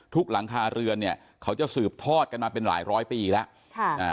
ทุกหลังคาเรือนเขาจะสืบทอดกันมาเป็นหลายยาล้อยปีแล้ว